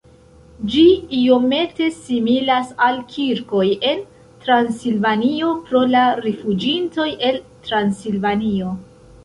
Ĝi iomete similas al kirkoj en Transilvanio pro la rifuĝintoj el Transilvanio.